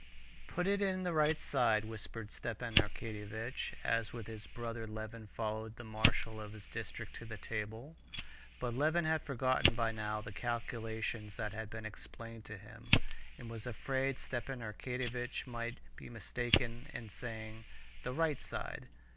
"Put it in the right side," whispered Stepan Arkadyevitch, as with his brother Levin followed the marshal of his district to the table. But Levin had forgotten by now the calculations that had been explained to him, and was afraid Stepan Arkadyevitch might be mistaken in saying "the right side."